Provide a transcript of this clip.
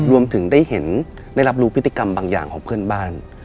รวมถึงได้เห็นได้รับรู้พิธีกรรมบางอย่างของเพื่อนบ้าน